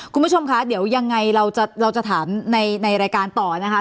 คุณผู้ชมคะเดี๋ยวยังไงเราจะถามในรายการต่อนะคะ